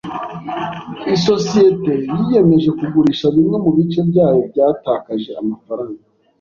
Isosiyete yiyemeje kugurisha bimwe mu bice byayo byatakaje amafaranga.